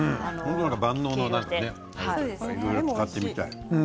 万能なたれでいろいろ使ってみたい。